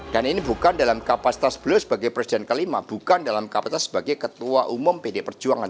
dan ini bukan dalam kapasitas beliau sebagai presiden kelima bukan dalam kapasitas sebagai ketua umum pd perjuangan